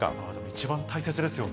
一番大切ですよね。